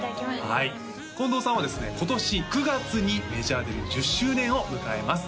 はい近藤さんはですね今年９月にメジャーデビュー１０周年を迎えます